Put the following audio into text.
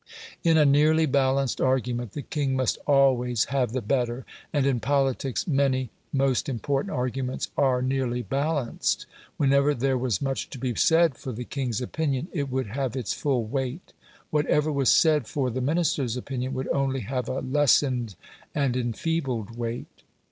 In a nearly balanced argument the king must always have the better, and in politics many most important arguments are nearly balanced. Whenever there was much to be said for the king's opinion it would have its full weight; whatever was said for the Minister's opinion would only have a lessened and enfeebled weight.